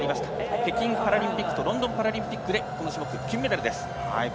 北京パラリンピックとロンドンパラリンピックでこの種目金メダルです。